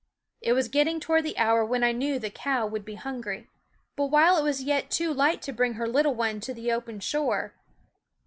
It was get ting toward the hour when I knew the cow would be hungry, but while it was yet too light to bring her little one to the open shore.